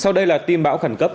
sau đây là tiêm bão khẩn cấp